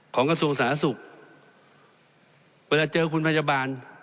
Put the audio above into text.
ของกระทรวงศาสตร์ศุกร์เวลาเจอคุณพยาบาล